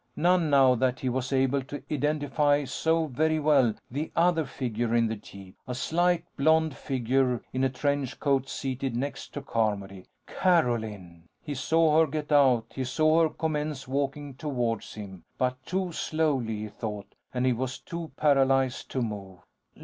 None, now that he was able to identify so very well the other figure in the jeep a slight blond figure in a trench coat seated next to Carmody. Carolyn! He saw her get out. He saw her commence walking towards him. But too slowly, he thought. And he was too paralyzed to move.